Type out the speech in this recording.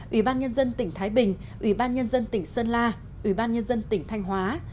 ủy ban nhân dân tỉnh thái bình ủy ban nhân dân tỉnh sơn la ủy ban nhân dân tỉnh thanh hóa